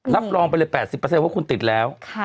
รับรองไปเลย๘๐ว่าคุณติดแล้ว